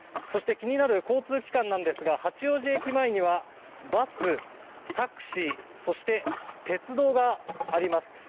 そして気になる交通機関なんですが八王子駅前にはバス、タクシーそして鉄道があります。